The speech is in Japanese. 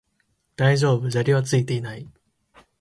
大丈夫、砂利はついていない